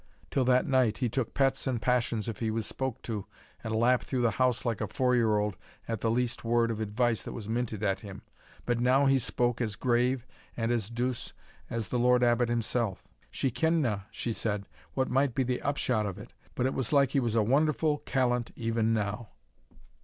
Till that night, he took pets and passions if he was spoke to, and lap through the house like a four year auld at the least word of advice that was minted at him, but now he spoke as grave and as douce as the Lord Abbot himself. She kendna," she said, "what might be the upshot of it, but it was like he was a wonderfu' callant even now."